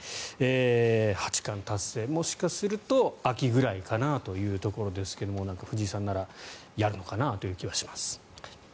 八冠達成、もしかすると秋ぐらいかなというところですが藤井さんならやるのかなという気はします。